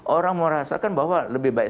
orang merasakan bahwa lebih baik